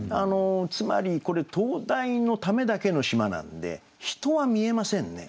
つまりこれ「灯台のためだけの島」なので人は見えませんね。